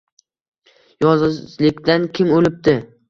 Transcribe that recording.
Yolgʼizlikdan kim oʼlibdi